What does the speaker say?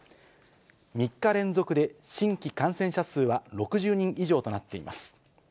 ３日連続で新規感染者数は６０人以上となっています。